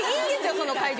その会場